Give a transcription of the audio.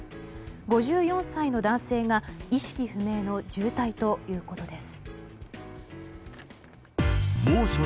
５４歳の男性が意識不明の重体ということです。